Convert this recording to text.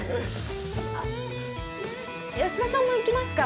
あっ安田さんも行きますか？